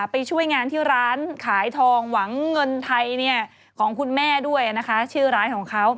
ไปช่วยงานที่ร้านขายทองหวังเงินไทยของคุณแม่ด้วยนะคะชื่อร้านของเขา